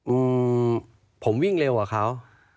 อืมผมวิ่งเร็วกว่าเขา